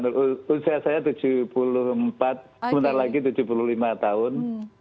umur usia saya tujuh puluh empat sebentar lagi tujuh puluh lima tahun